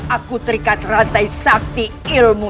apabila kau membersaimi suatu santin itu